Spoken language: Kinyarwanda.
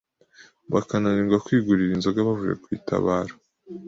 bakananirwa kwigurira inzoga bavuye ku itabaro